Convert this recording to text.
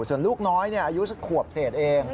ส่วนลูกน้อยอายุสักขวบเศษเอง